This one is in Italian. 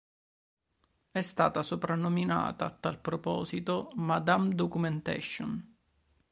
È stata soprannominata, a tale proposito, “madame documentation”.